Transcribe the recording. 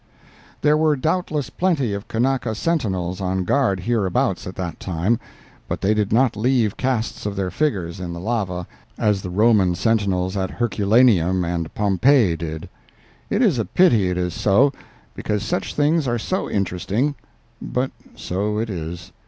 There were doubtless plenty of Kanaka sentinels on guard hereabouts at that time, but they did not leave casts of their figures in the lava as the Roman sentinels at Herculaneum and Pompeii did. It is a pity it is so, because such things are so interesting, but so it is.